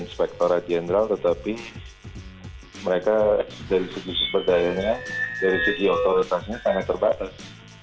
inspektor rajinal tetapi mereka dari segi seberdayanya dari segi otoritasnya sangat terbatas